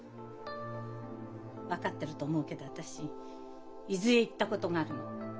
分かってると思うけど私伊豆へ行ったことがあるの。